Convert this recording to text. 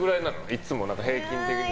いつも平均的には。